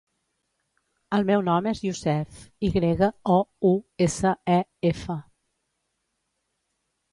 El meu nom és Yousef: i grega, o, u, essa, e, efa.